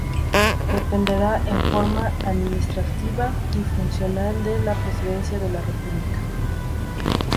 Dependerá en forma administrativa y funcional de la Presidencia de la República.